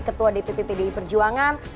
ketua dpp pdi perjuangan